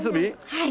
はい。